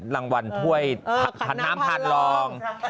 รางวัลถ้วยถ่าน้ำผัดรอง